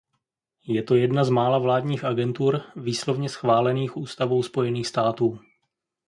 Je to jedna z mála vládních agentur výslovně schválených ústavou Spojených států.